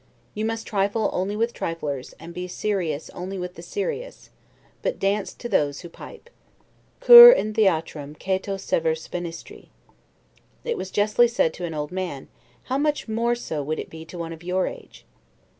You must trifle only with triflers; and be serious only with the serious, but dance to those who pipe. 'Cur in theatrum Cato severs venisti?' was justly said to an old man: how much more so would it be to one of your age?